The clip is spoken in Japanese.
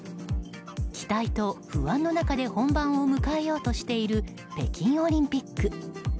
期待と不安の中で本番を迎えようとしている北京オリンピック。